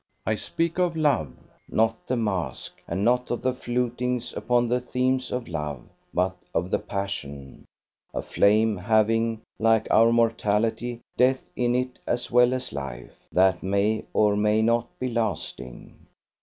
I speak of love, not the mask, and not of the flutings upon the theme of love, but of the passion; a flame having, like our mortality, death in it as well as life, that may or may not be lasting.